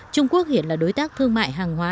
trung quốc hiện là đối tác thương mại hàng hóa